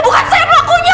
bukan saya pelakunya